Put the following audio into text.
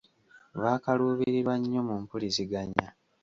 Baakaluubirirwa nnyo mu mpuliziganya.